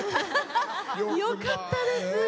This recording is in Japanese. よかったです！